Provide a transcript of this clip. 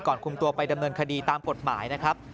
คุมตัวไปดำเนินคดีตามกฎหมายนะครับ